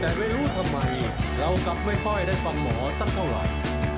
แต่ไม่รู้ทำไมเรากลับไม่ค่อยได้ฟังหมอสักเท่าไหร่